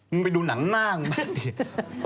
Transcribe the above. มึงไปดูหนังหน้าของคุณมากดิ